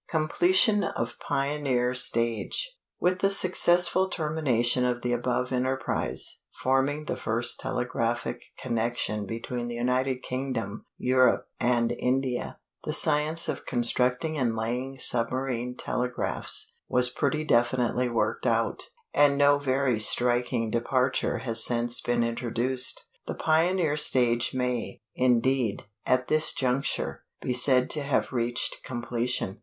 Completion of Pioneer Stage. With the successful termination of the above enterprise, forming the first telegraphic connection between the United Kingdom, Europe, and India, the science of constructing and laying submarine telegraphs was pretty definitely worked out, and no very striking departure has since been introduced. The pioneer stage may, indeed, at this juncture, be said to have reached completion.